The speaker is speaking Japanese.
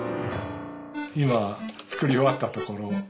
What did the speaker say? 今作り終わったところ。